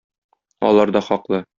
Алар да хаклы.